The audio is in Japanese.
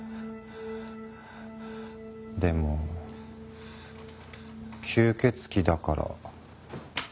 でも吸血鬼だから。